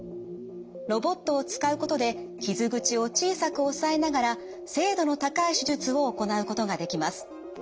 ロボットを使うことで傷口を小さく抑えながら精度の高い手術を行うことができます。